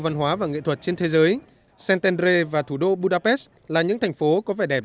văn hóa và nghệ thuật trên thế giới stander và thủ đô budapest là những thành phố có vẻ đẹp